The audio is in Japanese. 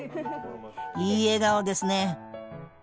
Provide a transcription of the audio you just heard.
いい笑顔ですね！